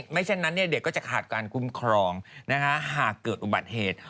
ไม่เช่นนั้นเด็กก็จะขาดการคุ้มครองหากเกิดอุบัติเหตุ